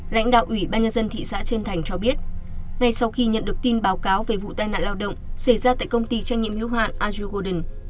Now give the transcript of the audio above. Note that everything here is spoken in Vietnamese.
lãnh đạo ủy ban nhân dân thị xã trên thành cho biết ngay sau khi nhận được tin báo cáo về vụ tai nạn lao động xảy ra tại công ty trang nhiệm hiếu hoạn azure golden